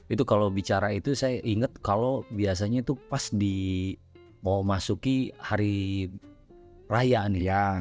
itu kalau bicara itu saya ingat kalau biasanya itu pas di mau masuki hari raya nih ya